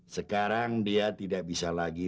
sekarang dia tidak bisa lagi